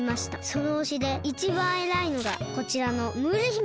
そのほしでいちばんえらいのがこちらのムール姫でございます。